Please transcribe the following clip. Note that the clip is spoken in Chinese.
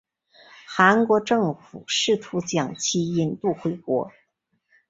韩国政府试图将其引渡回国。